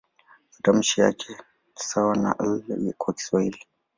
Matamshi yake ni sawa na "L" kwa Kiswahili.